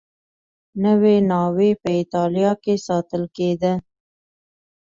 نوې ناوې په اېټالیا کې ساتل کېده